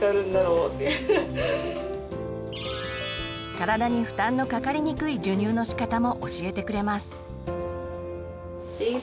体に負担のかかりにくい授乳のしかたも教えてくれます。